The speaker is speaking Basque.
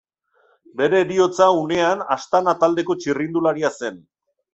Bere heriotza unean Astana taldeko txirrindularia zen.